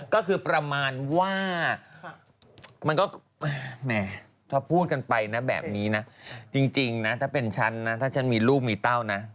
ก็คือประมาณว่าถ้าพูดกันไปแบบนี้นะจริงถ้าเป็นฉันถ้าฉันมีลูกมีเต้านะ